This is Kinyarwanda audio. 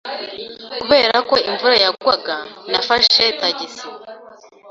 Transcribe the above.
Kubera ko imvura yagwaga, nafashe tagisi.